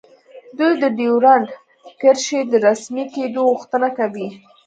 دوی د ډیورنډ کرښې د رسمي کیدو غوښتنه کوي